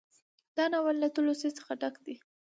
دا ناول له تلوسې څخه ډک دى